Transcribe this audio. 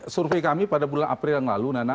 survei kami pada bulan april yang lalu nana